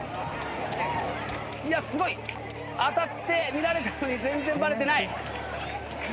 すごい当たって見られたのに全然バレてない。